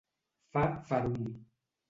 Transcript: Fa ferum.